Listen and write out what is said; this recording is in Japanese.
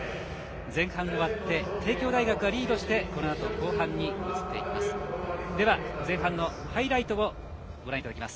前半終わって帝京大学がリードしてこのあと後半に移っていきます。